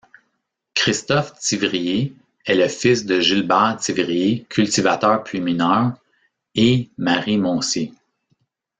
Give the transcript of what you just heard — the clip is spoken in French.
Christophe Thivrier est le fils de Gilbert Thivrier, cultivateur puis mineur, et Marie Moncier.